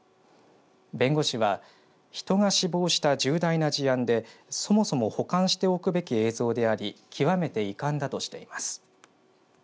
弁護士は人が死亡した重大な事案でそもそも保管しておくべき映像であり極めて遺憾だとしています。